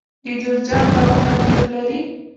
د جوزجان باغونه انګور لري.